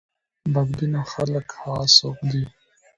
بد بینه خلک هغه څوک دي.